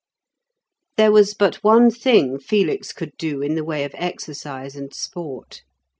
There was but one thing Felix could do in the way of exercise and sport.